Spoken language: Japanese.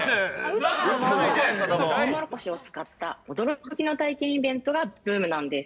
夏が旬のとうもろこしを使った驚きの体験イベントがブームなんです。